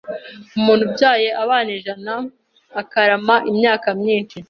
Umuntu ubyaye abana ijana akarama imyaka myinshi,